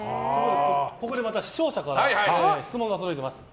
ここで視聴者から質問が届いています。